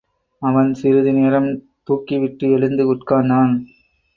அவன் சிறிது நேரம் தூக்கிவிட்டு எழுந்து உட்கார்ந்தான்.